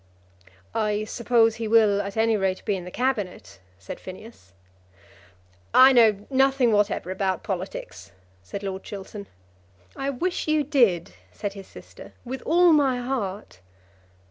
"I suppose he will at any rate be in the Cabinet," said Phineas. "I know nothing whatever about politics," said Lord Chiltern. "I wish you did," said his sister, "with all my heart."